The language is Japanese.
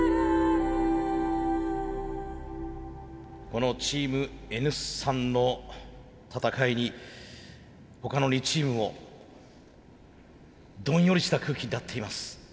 このチームＮ産の戦いに他の２チームもどんよりした空気になっています。